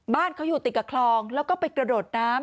บ้านเขาอยู่ติดกับคลองแล้วก็ไปกระโดดน้ำ